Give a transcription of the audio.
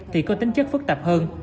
thì có tính chất phức tạp hơn